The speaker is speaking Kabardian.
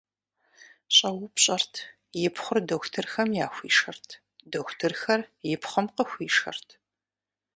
Щӏэупщӏэрт, и пхъур дохутырхэм яхуишэрт, дохутырхэр и пхъум къыхуишэрт.